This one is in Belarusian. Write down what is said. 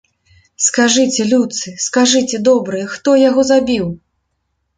Скажыце, людцы, скажыце, добрыя, хто яго забіў?